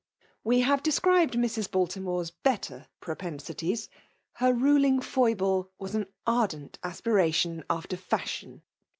We hare described Mrs. Baltimore's better pn^nsities: her ruling foible was an ardent ampliation after fashion.